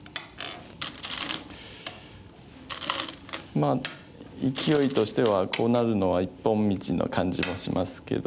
まあいきおいとしてはこうなるのは一本道な感じもしますけど。